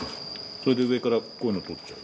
それで上からこういうの取っちゃう。